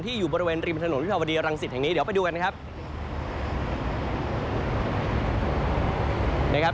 อยู่บริเวณริมถนนวิภาวดีรังสิตแห่งนี้เดี๋ยวไปดูกันนะครับ